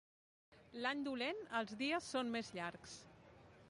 L'any dolent els dies són més llargs.